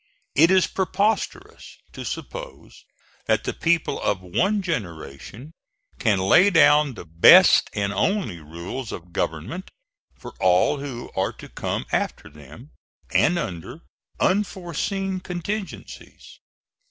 It is preposterous to suppose that the people of one generation can lay down the best and only rules of government for all who are to come after them, and under unforeseen contingencies.